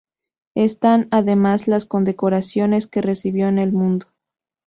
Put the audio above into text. Están además las condecoraciones que recibió en el mundo.